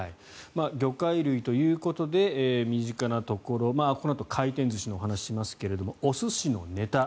魚介類ということで身近なところこのあと回転寿司のお話をしますがお寿司のネタ